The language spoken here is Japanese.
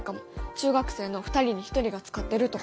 「中学生の２人に１人が使ってる」とか。